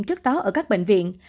trước đó ở các bệnh viện